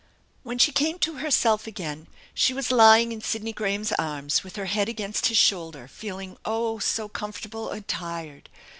When she came to herself again she was lying in Sidney Graham's arms with her head against his shoulder feeling oh, so comfortable and tired.